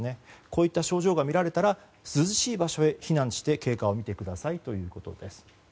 こういった症状が見られたら涼しい場所へ避難して経過を見てくださいということです。